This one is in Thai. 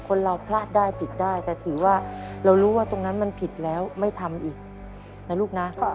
คนเราพลาดได้ผิดได้แต่ถือว่าเรารู้ว่าตรงนั้นมันผิดแล้วไม่ทำอีกนะลูกนะ